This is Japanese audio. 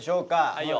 はい。